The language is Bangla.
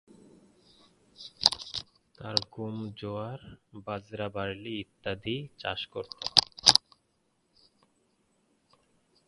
তারা গম, জোয়ার, বাজরা, বার্লি ইত্যাদির চাষ করত।